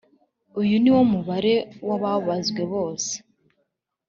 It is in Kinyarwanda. Uyu ni wo mubare w ababazwe bose